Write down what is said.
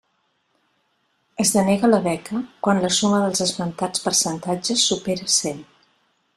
Es denega la beca quan la suma dels esmentats percentatges supere cent.